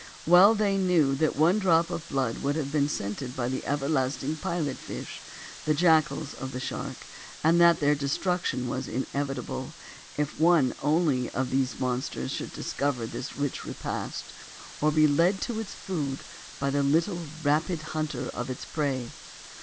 Well they knew that one drop of blood would have been scented by the everlasting pilot fish, the jackalls of the shark; and that their destruction was inevitable, if one only of these monsters should discover this rich repast, or be led to its food by the little rapid hunter of its prey.